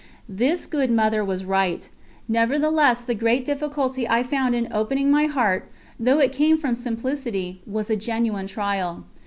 This good Mother was right. Nevertheless the great difficulty I found in opening my heart, though it came from simplicity, was a genuine trial.